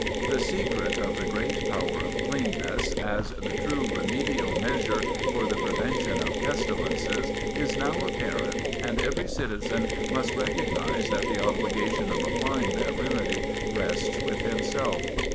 The secret of the great power of cleanness as the true remedial measure for the prevention of pestilences is now apparent and every citizen must recognize that the obligation of applying that remedy rests with himself.